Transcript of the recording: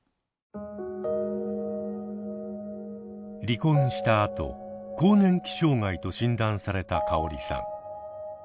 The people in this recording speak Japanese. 離婚したあと更年期障害と診断されたかおりさん。